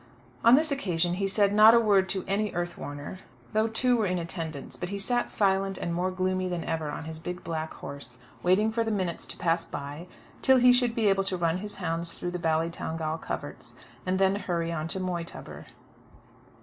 On this occasion he said not a word to any earth warner, though two were in attendance; but he sat silent and more gloomy than ever on his big black horse, waiting for the minutes to pass by till he should be able to run his hounds through the Ballytowngal coverts, and then hurry on to Moytubber.